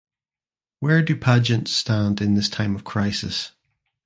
Where do pageants stand in this time of crisis?